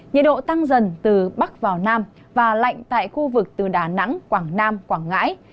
nhiệt độ tăng dần từ bắc vào nam và lạnh tại khu vực từ đà nẵng quảng nam quảng ngãi